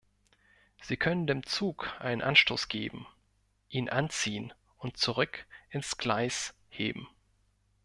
Sie können dem Zug einen Anstoß geben, ihn anziehen und zurück ins Gleis heben.